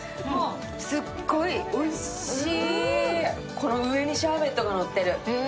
この上にシャーベットがのってる。